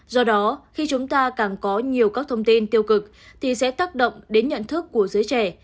do đó khi chúng ta càng có nhiều các thông tin tiêu cực thì sẽ tác động đến nhận thức của giới trẻ